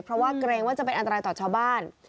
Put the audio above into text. เพราะว่าเกรงว่าจะเป็นอันตรายต่อชาวบ้าน